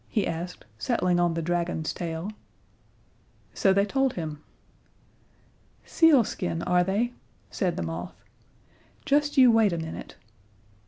he asked, settling on the dragon's tail. So they told him. "Sealskin, are they?" said the moth. "Just you wait a minute!"